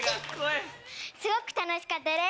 すごく楽しかったです